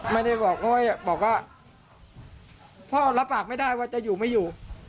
ไม่ได้บอกเพราะว่าบอกว่าพ่อรับปากไม่ได้ว่าจะอยู่ไม่อยู่